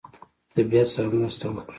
طبیعت سره مرسته وکړه.